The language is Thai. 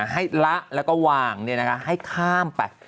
ละแล้วก็วางให้ข้ามไป